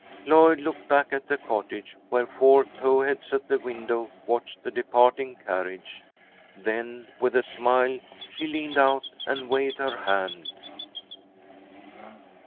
Lloyd looked back at the cottage where four towheads at the window watched the departing carriage. Then with a smile she leaned out and waved her hand.